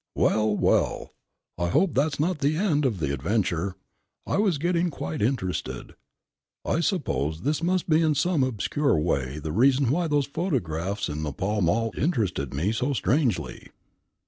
Well, well! I hope that's not the end of the adventure, I was getting quite interested. I suppose this must be in some obscure way the reason why those paragraphs in the Pall Mall interested me so strangely."